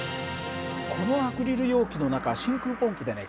このアクリル容器の中は真空ポンプでね